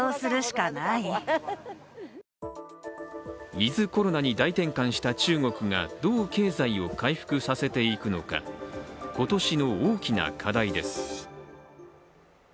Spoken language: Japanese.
ウィズ・コロナに大転換した中国がどう経済を回復させていくのか今年の大きな課題です。